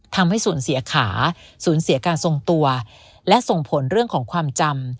ทำให้สูญเสียขาสูญเสียการทรงตัวและส่งผลเรื่องของความจำ